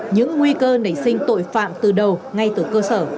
những nguy cơ nảy sinh tội phạm từ đầu ngay từ cơ sở